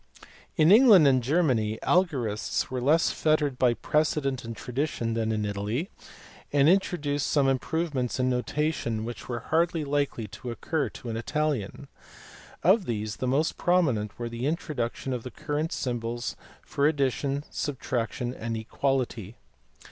In England and Germany algorists were less fettered by precedent and tradition than in Italy, and introduced some improvements in notation which were hardly likely to occur to an Italian. Of these the most prominent were the introduction of the current symbols for ad dition, subtraction, and equality.